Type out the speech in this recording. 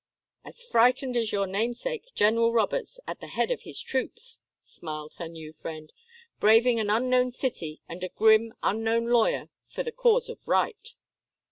"As frightened as your namesake, General Roberts, at the head of his troops," smiled her new friend. "Braving an unknown city and a grim, unknown lawyer for the cause of right!"